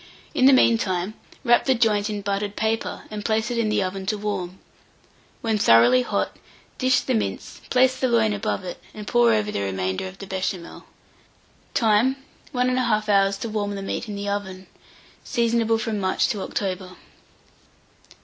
In the mean time, wrap the joint in buttered paper, and place it in the oven to warm. When thoroughly hot, dish the mince, place the loin above it, and pour over the remainder of the Béchamel. Time. 1 1/2 hour to warm the meat in the oven. Seasonable from March to October.